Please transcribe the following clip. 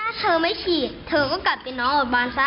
ถ้าเธอไม่ฉีดเธอก็กลับเป็นน้องออกบ้านซะ